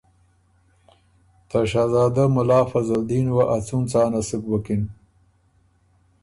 ته شهزاده مُلا فضل دین وه ا څُون څانه سُک بُکِن